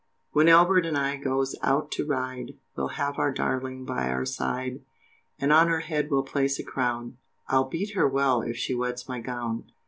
When Albert and I goes out to ride, We'll have our darling by our side, And on her head we'll place a crown, I'll beat her well if she wets my gown.